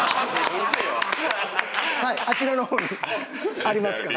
はいあちらの方にありますから。